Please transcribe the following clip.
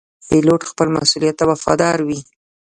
پیلوټ خپل مسؤولیت ته وفادار وي.